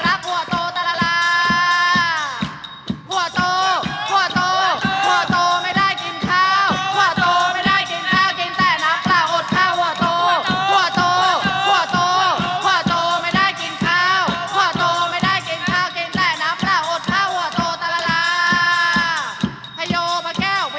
หัวโตหัวโตหัวโตหัวโตไม่ได้กินข้าวกินแต่นับแล้วอดข้าวหัวโตตาลาลา